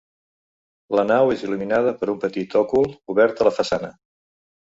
La nau és il·luminada per un petit òcul obert a la façana.